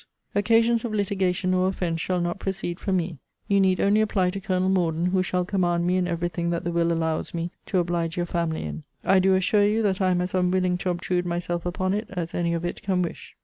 Occasions of litigation or offence shall not proceed from me. You need only apply to Colonel Morden who shall command me in every thing that the will allows me to oblige your family in. I do assure you, that I am as unwilling to obtrude myself upon it, as any of it can wish.